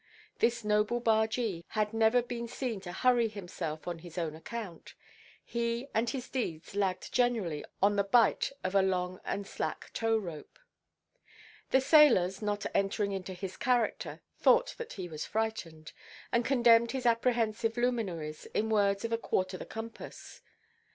This noble bargee had never been seen to hurry himself on his own account. He and his deeds lagged generally on the bight of a long and slack tow–rope. The sailors, not entering into his character, thought that he was frightened, and condemned his apprehensive luminaries, in words of a quarter the compass.